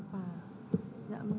terima kasih yang mulia